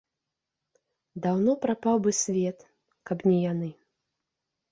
Даўно прапаў бы свет, каб не яны.